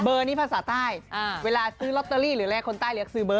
นี้ภาษาใต้เวลาซื้อลอตเตอรี่หรือแรกคนใต้เรียกซื้อเบอร์